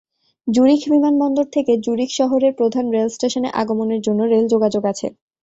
জুরিখ বিমানবন্দর থেকে জুরিখ শহরের প্রধান রেলস্টেশনে আগমনের জন্য রেল যোগাযোগ আছে।